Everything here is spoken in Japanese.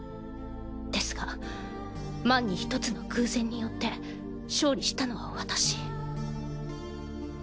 ですが万に一つの偶然によって勝利したのは私。